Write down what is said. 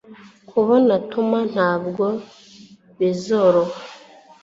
Kubona Tom ntabwo bizoroha